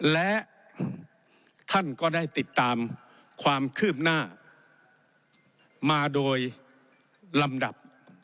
และท่านก็ได้ติดตามความคืบหน้ามาโดยลำดับ